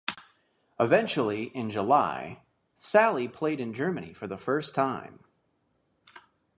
Eventually, in July, Saille played in Germany for the first time.